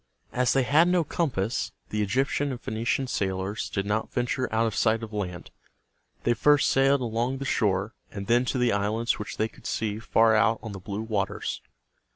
As they had no compass, the Egyptian and Phoenician sailors did not venture out of sight of land. They first sailed along the shore, and then to the islands which they could see far out on the blue waters.